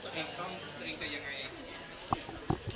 แต่ว่าเราสองคนเห็นตรงกันว่าก็คืออาจจะเรียบง่าย